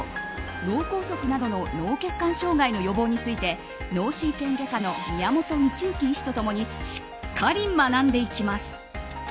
脳梗塞などの脳血管障害の予防について脳神経外科医の宮本倫行医師と共にしっかり学んでいきます。